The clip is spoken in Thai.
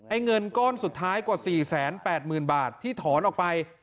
เงินก้อนสุดท้ายกว่า๔๘๐๐๐บาทที่ถอนออกไป